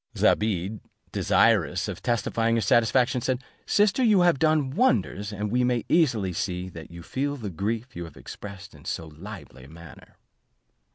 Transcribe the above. Zobeide, desirous of testifying her satisfaction, said, "Sister, you have done wonders, and we may easily see that you feel the grief you have expressed in so lively a manner."